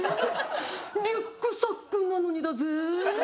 リュックサックなのにだぜぇ。